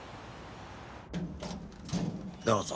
どうぞ。